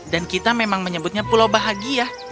dan kita memang menyebutnya pulau bahagia